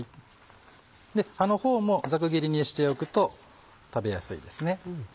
葉の方もざく切りにしておくと食べやすいですね。